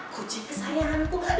kucing kesayangan tuh